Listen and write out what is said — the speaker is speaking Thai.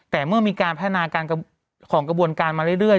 แต่เมื่อมีการพัฒนาการของกระบวนการมาเรื่อย